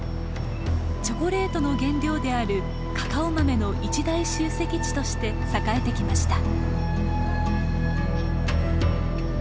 チョコレートの原料であるカカオ豆の一大集積地として栄えてきました。